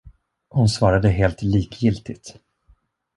Hon svarade helt likgiltigt.